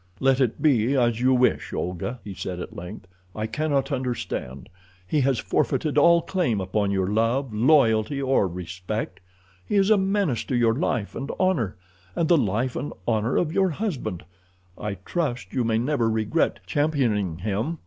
"Let it be as you wish, Olga," he said at length. "I cannot understand. He has forfeited all claim upon your love, loyalty, or respect. He is a menace to your life and honor, and the life and honor of your husband. I trust you may never regret championing him."